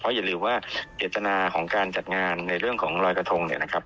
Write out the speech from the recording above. อย่าลืมว่าเจตนาของการจัดงานในเรื่องของรอยกระทงเนี่ยนะครับ